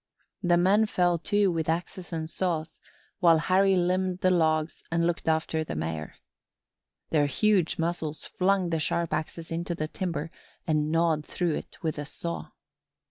The men fell to with axes and saws while Harry limbed the logs and looked after the Mayor. Their huge muscles flung the sharp axes into the timber and gnawed through it with a saw.